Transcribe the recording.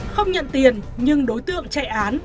không nhận tiền nhưng đối tượng chạy án